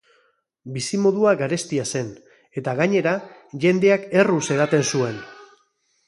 Bizimodua garestia zen, eta, gainera, jendeak erruz edaten zuen...